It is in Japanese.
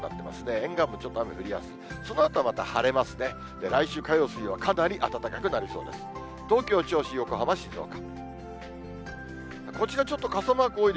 沿岸部ちょっと雨降りやすい。